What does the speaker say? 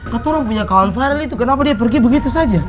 katanya orang punya kawan farel itu kenapa dia pergi begitu saja